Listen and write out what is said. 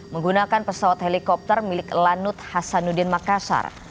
menggunakan pesawat helikopter milik lanut hasanuddin makassar